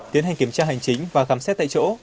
tiến hành kiểm tra hành chính và khám xét tại chỗ